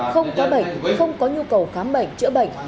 không có bệnh không có nhu cầu khám bệnh chữa bệnh